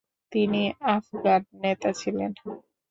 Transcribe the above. তিনি আফগান নেতা ছিলেন।